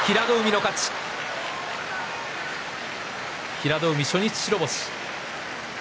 平戸海、初日白星。